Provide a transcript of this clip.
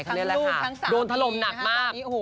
ทั้งลูกทั้งสามโดนถล่มหนักมาก